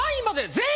全員！